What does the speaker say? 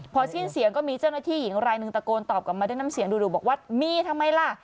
พอสิ้นเสียงก็มีเจ้าหน้าที่หญิงรายหนึ่งตะโกนตอบกลับมาด้วยน้ำเสียงดูบอกว่ามีทำไมล่ะ